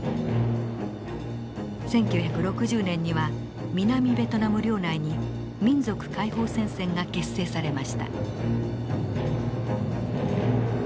１９６０年には南ベトナム領内に民族解放戦線が結成されました。